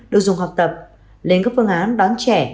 đồ dùng học tập lên các phương án đón trẻ